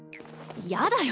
やだよ